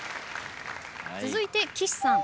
続いて岸さん。